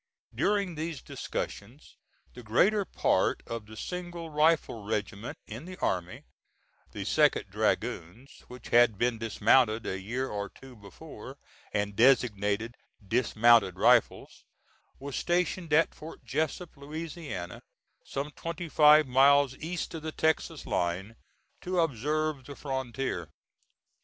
During these discussions the greater part of the single rifle regiment in the army the 2d dragoons, which had been dismounted a year or two before, and designated "Dismounted Rifles" was stationed at Fort Jessup, Louisiana, some twenty five miles east of the Texas line, to observe the frontier.